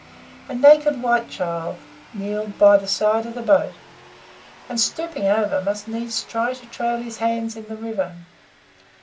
A naked white child kneeled by the side of the boat, and, stooping over, must needs try to trail his hands in the river.